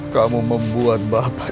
kamu membuat bapak